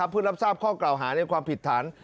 เพื่อรับทราบข้อกล่าวหาในความผิดฐาน